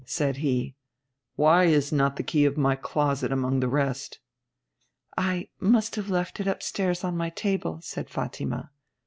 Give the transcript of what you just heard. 'said he. 'Why is not the key of my closet among the rest?' 'I must have left it upstairs on my table,' said Fatima.